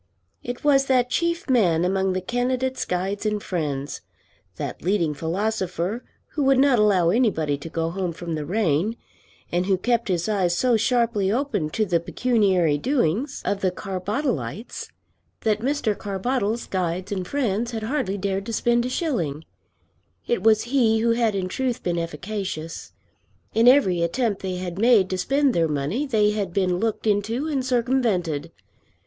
It was that chief man among the candidate's guides and friends, that leading philosopher who would not allow anybody to go home from the rain, and who kept his eyes so sharply open to the pecuniary doings of the Carbottleites, that Mr. Carbottle's guides and friends had hardly dared to spend a shilling; it was he who had in truth been efficacious. In every attempt they had made to spend their money they had been looked into and circumvented.